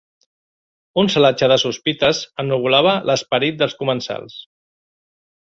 Un celatge de sospites ennuvolava l'esperit dels comensals.